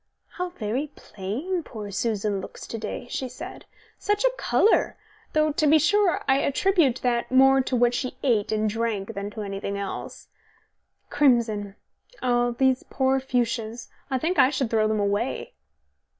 "How very plain poor Susan looks to day," she said. "Such a colour, though to be sure I attribute that more to what she ate and drank than to anything else. Crimson. Oh, those poor fuchsias! I think I should throw them away."